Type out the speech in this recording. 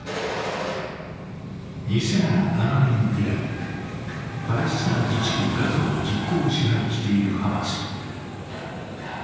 ２００７年以来、パレスチナ自治区ガザを実効支配しているハマス。